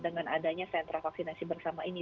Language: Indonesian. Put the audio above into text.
dengan adanya sentra vaksinasi bersama ini